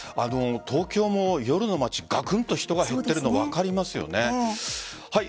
東京も夜の街、がくんと人が減っているのが分かりますよね。